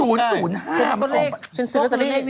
อ่ะหรอ